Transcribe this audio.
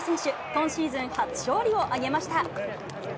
今シーズン初勝利を挙げました。